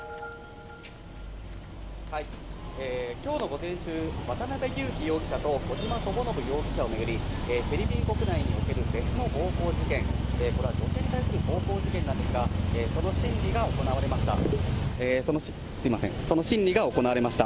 きょうの午前中、渡辺優樹容疑者と小島智信容疑者を巡り、フィリピン国内における別の暴行事件、これは女性に対する暴行事件なんですが、その審理が行われました。